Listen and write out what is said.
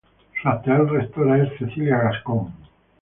Su actual rectora es Cecília Gascón.